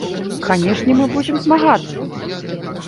Канешне, мы будзем змагацца!